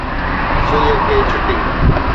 سُئيءَ کي ڇُٽي